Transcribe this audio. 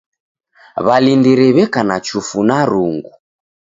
W'alindiri w'eka na chufu na rungu.